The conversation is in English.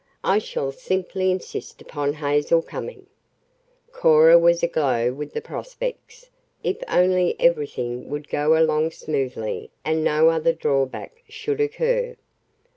I shall simply insist upon Hazel coming." Cora was aglow with the prospects if only everything would go along smoothly and no other "drawback" should occur.